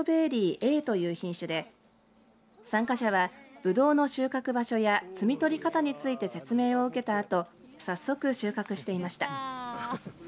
Ａという品種で参加者は、ぶどうの収穫場所や摘み取り方について説明を受けたあと早速収穫していました。